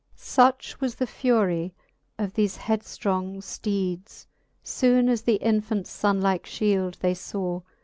XLI. Such was the fury of thefe head ftrong fteeds, Soone as the infants funlike ftiield they faw.